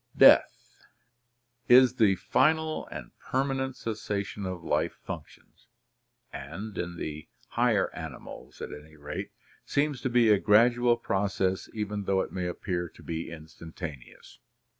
Death is the final and permanent cessation of life functions, and, in the higher animals at any rate, seems to be a gradual process even though it may appear to be instantaneous.